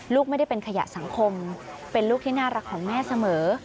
ลูกไม่ได้เป็นขยะสังคมเป็นลูกที่น่ารักของแม่เสมอ